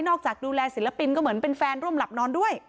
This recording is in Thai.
จากดูแลศิลปินก็เหมือนเป็นแฟนร่วมหลับนอนด้วย